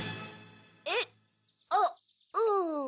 えっ！あうん。